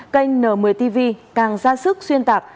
kênh n một mươi tv càng ra sức xuyên tạc